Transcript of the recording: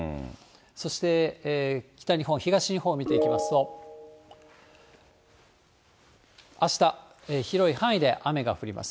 そして、北日本、東日本を見ていきますと、あした、広い範囲で雨が降ります。